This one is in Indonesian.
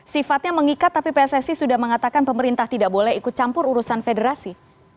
sifatnya mengikat tapi pssi sudah mengatakan pemerintah tidak boleh ikut campur urusan federasi